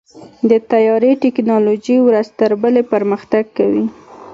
د طیارې ټیکنالوژي ورځ تر بلې پرمختګ کوي.